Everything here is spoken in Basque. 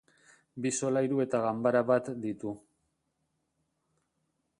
Bi solairu eta ganbara bat ditu.